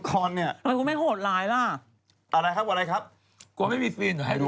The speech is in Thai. เขากินไม่ได้ไงเพราะมันกินของกินอยู่